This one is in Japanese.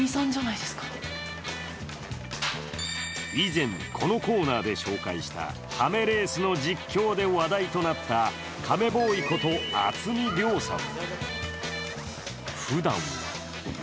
以前、このコーナーで紹介したカメレースの実況で話題となったカメボーイこと渥美良さん。